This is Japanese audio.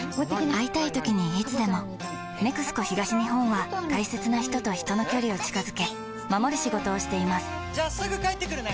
会いたいときにいつでも「ＮＥＸＣＯ東日本」は大切な人と人の距離を近づけ守る仕事をしていますじゃあすぐ帰ってくるね！